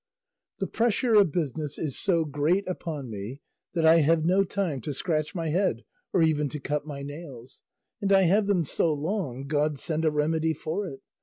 The pressure of business is so great upon me that I have no time to scratch my head or even to cut my nails; and I have them so long God send a remedy for it.